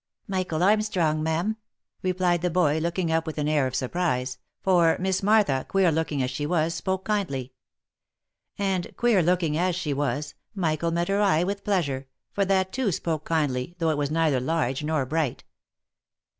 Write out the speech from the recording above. " Michael Armstrong, ma'am," replied the boy, looking up with an air of surprise, for Miss Martha, queer looking as she was, spoke kindly. And queer looking as she was, Michael met her eye with pleasure, for that too spoke kindly, though it was neither large nor bright.